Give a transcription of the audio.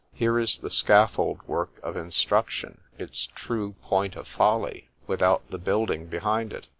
—Here is the scaffold work of INSTRUCTION, its true point of folly, without the BUILDING behind it.